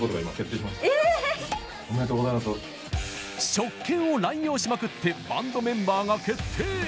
職権を乱用しまくってバンドメンバーが決定。